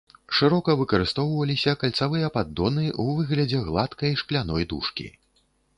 Шырока выкарыстоўваліся кальцавыя паддоны ў выглядзе гладкай шкляной дужкі.